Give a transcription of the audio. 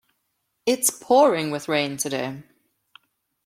It's pouring with rain today.